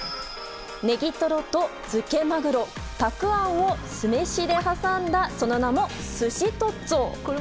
ネギトロと漬けマグロ、たくあんを酢飯で挟んだその名も、すしトッツォ。